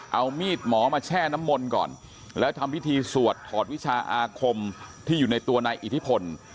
เอามีดหมอมาแช่น้ำมนต์ก่อนแล้วทำพิธีสวดถอดวิชาอาคมที่อยู่ในตัวนายอิทธิพล